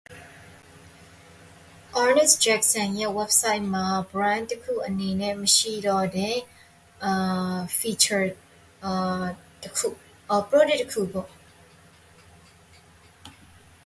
The product no longer features as a brand on the Ernest Jackson website.